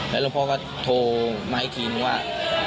แล้วหลวงพ่อก็โทรมาให้ทีนว่า